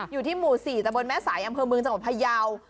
อยู่ที่หมู่๔ตะบนแม่สายอำเภอเมืองจังหวัดพยาว